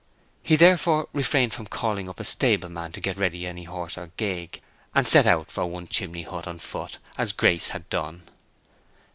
He therefore refrained from calling up a stableman to get ready any horse or gig, and set out for One chimney Hut on foot, as Grace had done.